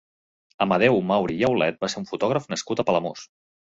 Amadeu Mauri i Aulet va ser un fotògraf nascut a Palamós.